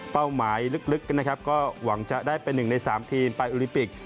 เป้าหมายลึกก็หวังจะได้เป็นหนึ่งใน๓ทีมไปอุลิปิก